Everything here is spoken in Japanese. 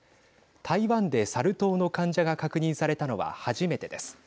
台湾でサル痘の患者が確認されたのは初めてです。